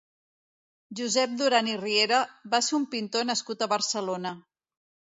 Josep Duran i Riera va ser un pintor nascut a Barcelona.